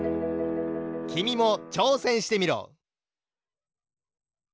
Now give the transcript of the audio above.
きみもちょうせんしてみろ。